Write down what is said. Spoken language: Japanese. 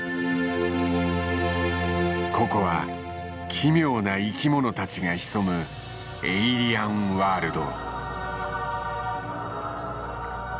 ここは奇妙な生き物たちが潜むエイリアンワールド。